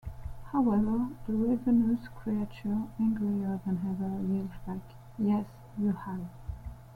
However, the ravenous creature, angrier than ever, yells back: Yes, you have!